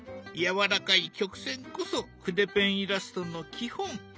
やわらかい曲線こそ筆ペンイラストの基本。